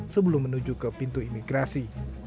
sebelum menuju ke pintu imigrasi